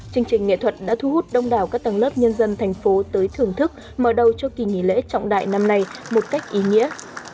chương trình nghệ thuật đã thu hút đông đảo các tầng lớp nhân dân thành phố tới thưởng thức mở đầu cho kỳ nghỉ lễ trọng đại năm nay một cách ý nghĩa